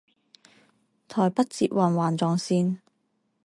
台北捷運環狀線